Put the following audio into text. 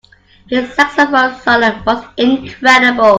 His saxophone solo was incredible.